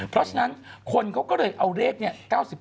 เพราะฉะนั้นคนเขาก็เลยเอาเลขเนี่ย๙๘